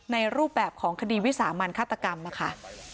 รูปแบบของคดีวิสามันฆาตกรรมค่ะ